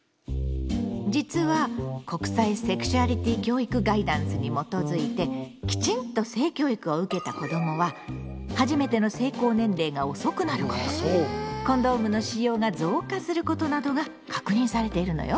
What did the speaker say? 実は国際セクシュアリティ教育ガイダンスに基づいてきちんと性教育を受けた子どもは初めての性交年齢が遅くなることコンドームの使用が増加することなどが確認されているのよ。